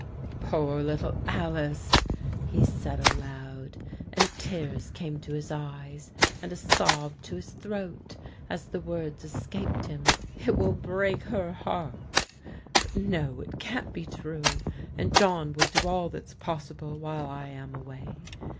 " Poor little Alice !" he said aloud, and tears came to his eyes, and a sob to his throat as the words escaped him. " It will break her heart But no, it can't be true, and John will do all that's possible while I am away.